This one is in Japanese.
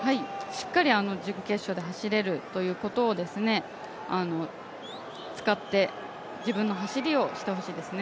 しっかり準決勝で走れるということを使って自分の走りをしてほしいですね。